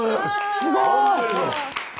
すごい！